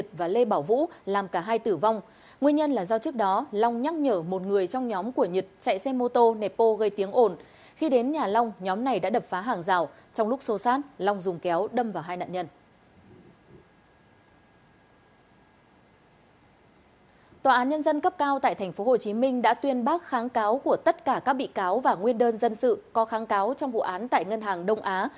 tòa án nhân dân cấp cao tại tp hcm đã tuyên bác kháng cáo của tất cả các bị cáo và nguyên đơn dân sự có kháng cáo trong vụ án tại ngân hàng đông á